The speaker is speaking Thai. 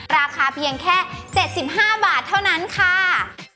ราคาเพียงแค่๗๕บาทเท่านั้นค่ะ